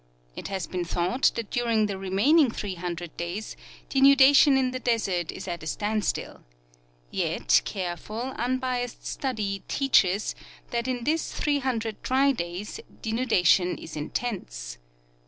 It has been thought that during the remaining 300 days denuda tion in the desert is at a standstill ; yet careful, unbiased study teaches that in these 300 dry days denudation is intense.